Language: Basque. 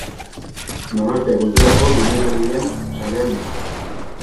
Donostia Kulturako liburutegien sarean dago.